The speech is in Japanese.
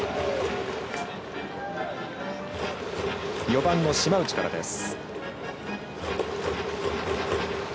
４番の島内からです。